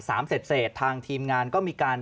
สามเศษทางทีมงานก็มีการ